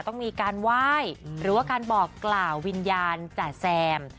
ต้องมีการไหว้หรือว่าการบอกกล่าววิญญาณจ๋าแซม